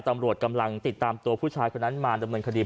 ตำรวจกำลังติดตามตัวผู้ชายคนนั้นมาดำเนินคดี